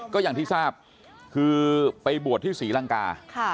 ก็อย่างที่ทราบคือไปบวชที่ศรีลังกา